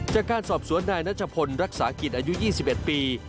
จากการสอบสวนนายนัชพลรักษากิจอายุ๒๑ปี